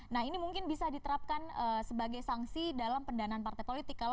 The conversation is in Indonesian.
nah ini mungkin bisa diterapkan sebagai sanksi dalam pendanaan partai politik